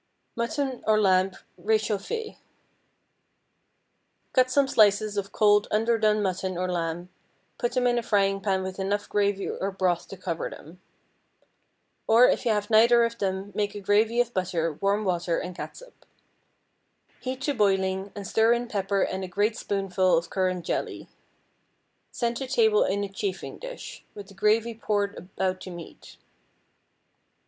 MUTTON OR LAMB RÉCHAUFFÉ. ✠ Cut some slices of cold underdone mutton or lamb; put them in a frying pan with enough gravy or broth to cover them. Or, if you have neither of them, make a gravy of butter, warm water, and catsup. Heat to boiling, and stir in pepper and a great spoonful of currant jelly. Send to table in a chafing dish, with the gravy poured about the meat.